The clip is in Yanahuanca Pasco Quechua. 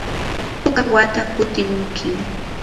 hukaq wata kutimunkim.